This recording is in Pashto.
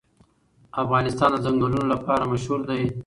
افغانستان د چنګلونه لپاره مشهور دی.